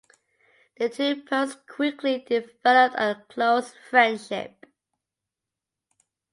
The two poets quickly developed a close friendship.